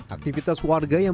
aktivitas warga yang